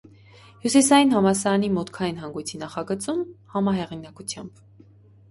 Հյուսիսային համալսարանի մուտքային հանգույցի նախագծում (համահեղինակությամբ)։